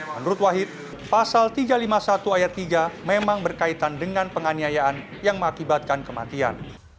menurut wahid pasal tiga ratus lima puluh satu ayat tiga memang berkaitan dengan penganiayaan yang mengakibatkan kematian